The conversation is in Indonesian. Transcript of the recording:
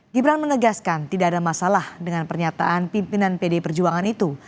gibran menegaskan tidak ada masalah dengan pernyataan pimpinan pdi perjuangan itu